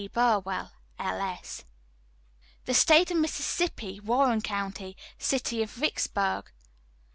BURWELL, [L.S.]" "THE STATE OF MISSISSIPPI, WARREN COUNTY, CITY OF VICKSBURG.